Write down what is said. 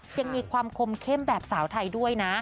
ยังมีความคมเข้มแบบสาวไทยด้วยนะ